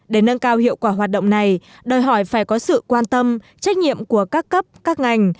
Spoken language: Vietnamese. để nâng cao hiệu quả hoạt động này đòi hỏi phải có sự quan tâm trách nhiệm của các cấp các ngành